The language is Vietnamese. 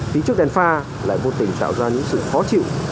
phía trước đèn pha lại vô tình tạo ra những sự khó chịu